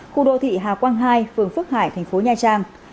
khu đô thị hà quang hai phường phước hải tp nha trang